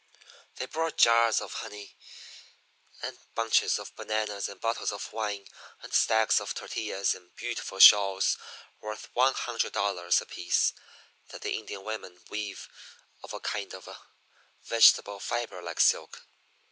They brought jars of honey, and bunches of bananas, and bottles of wine, and stacks of tortillas, and beautiful shawls worth one hundred dollars apiece that the Indian women weave of a kind of vegetable fibre like silk.